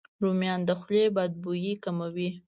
رومیان د خولې بد بوی کموي.